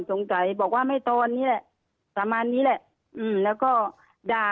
สงสัยบอกว่าไม่ตอนนี้แหละประมาณนี้แหละอืมแล้วก็ด่า